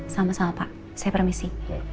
sama sama pak saya permisi